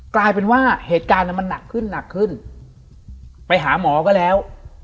กลายเป็นว่าเหตุการณ์มันหนักขึ้นหนักขึ้นไปหาหมอก็แล้ว